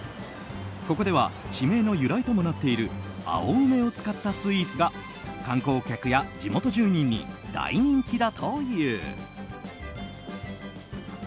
ここでは地名の由来ともなっている青梅を使ったスイーツが観光客や地元住人に大人気だという。